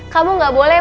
kamu gak boleh